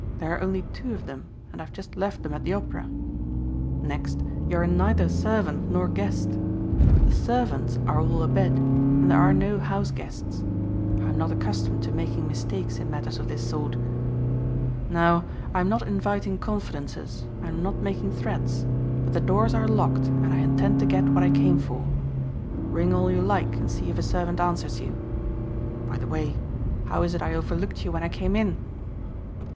There are only two of them and I have just left them at the Opera. Next you are neither servant nor guest. The servants are all abed and there are no house guests. I am not accustomed to making mistakes in matters of this sort. Now, I'm not inviting confidences and I'm not making threats, but the doors are locked and I intend to get what I came for. Ring all you like and see if a servant answers you. By the way how is it I overlooked you when I came in?"